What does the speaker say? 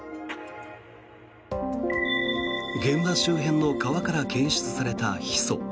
現場周辺の川から検出されたヒ素。